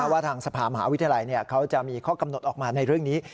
ว่าทางสภามหาวิทยาลัยเขาจะมีข้อกำหนดออกมาในเรื่องนี้